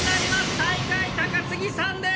最下位、高杉さんです！